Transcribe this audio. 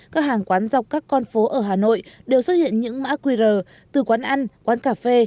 các hàng quán dọc các con phố ở hà nội đều xuất hiện những mã qr từ quán ăn quán cà phê